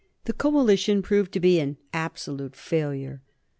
The coalition proved to be an absolute failure.